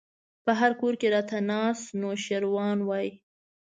په هر کور کې راته ناست نوشيروان وای